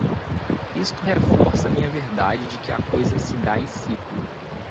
Isto reforça minha verdade de que a coisa se dá em ciclo